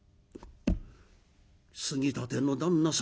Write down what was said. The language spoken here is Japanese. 「杉立の旦那様